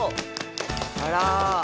あら。